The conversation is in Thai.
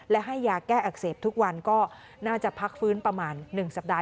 และให้ยาแก้อักเสบทุกวันก็น่าจะพักฟื้นประมาณ๑สัปดาห